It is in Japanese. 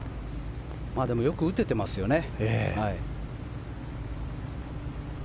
でもよく打ててますよね。